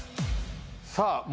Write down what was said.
さあ